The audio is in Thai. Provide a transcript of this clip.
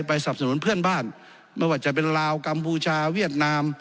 สับสนุนเพื่อนบ้านไม่ว่าจะเป็นลาวกัมพูชาเวียดนาม